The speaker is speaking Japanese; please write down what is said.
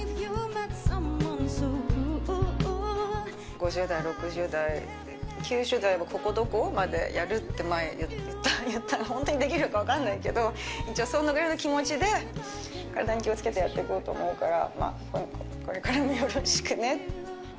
５０代、６０代、９０代、ここどこまでやるって前、言った、本当にできるか分かんないけど、一応そのぐらいの気持ちで、体に気をつけてやっていこうと思うから、これからもよろしくね。